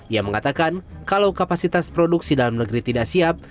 ia mengatakan kalau kapasitas produksi dalam negeri tidak siap